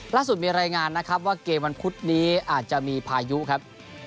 ล่าสุดมีรายงานนะครับว่าเกมวันพุธนี้อาจจะมีพายุครับ